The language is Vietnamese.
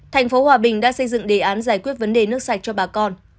thành phố hòa bình đã xây dựng đề án giải quyết vấn đề nước sạch cho bà con